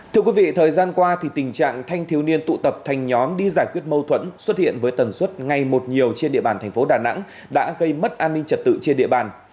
thưa quý vị thời gian qua tình trạng thanh thiếu niên tụ tập thành nhóm đi giải quyết mâu thuẫn xuất hiện với tần suất ngay một nhiều trên địa bàn thành phố đà nẵng đã gây mất an ninh trật tự trên địa bàn